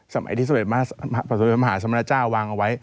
สมัยที่สุดยอดมหาสมรรจาววางเอาไว้